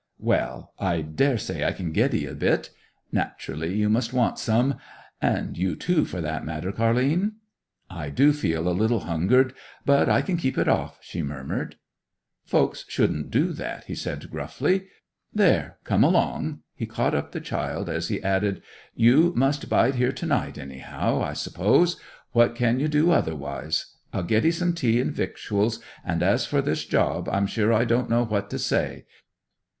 'Well, I daresay I can get 'ee a bit! Naturally, you must want some. And you, too, for that matter, Car'line.' 'I do feel a little hungered. But I can keep it off,' she murmured. 'Folk shouldn't do that,' he said gruffly. ... 'There come along!' he caught up the child, as he added, 'You must bide here to night, anyhow, I s'pose! What can you do otherwise? I'll get 'ee some tea and victuals; and as for this job, I'm sure I don't know what to say!